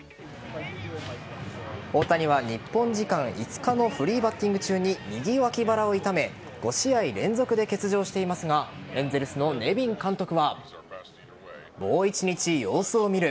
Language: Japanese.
大谷は、日本時間５日のフリーバッティング中に右脇腹を痛め５試合連続で欠場していますがエンゼルスのネビン監督はもう１日、様子を見る。